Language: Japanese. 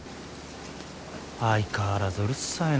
相変わらずうるさいな。